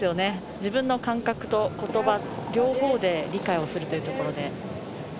自分の感覚と言葉、両方で理解をするというところで。